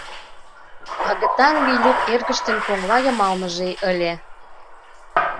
Агытан Вийлюп эргыштын коҥла йымалныже ыле.